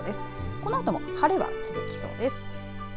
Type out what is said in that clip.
このあとも晴れは続きそうです。